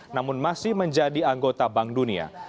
namun masih menjadi anggota bank dunia